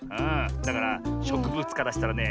だからしょくぶつからしたらね